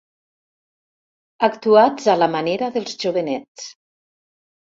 Actuats a la manera dels jovenets.